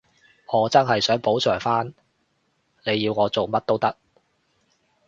我真係想補償返，你要我做乜都得